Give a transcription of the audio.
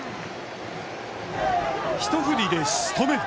一振りで仕留める。